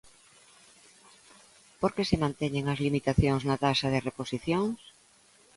¿Por que se manteñen as limitacións na taxa de reposición?